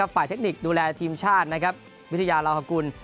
ฝ่ายเทคนิคดูแลทีมชาติวิทยาลาวฮกุล